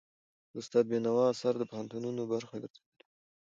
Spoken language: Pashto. د استاد بينوا آثار د پوهنتونونو برخه ګرځېدلي دي.